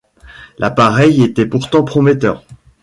L'appareil était pourtant prometteur.